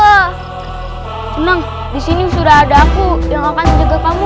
tenang disini sudah ada aku yang akan menjaga kamu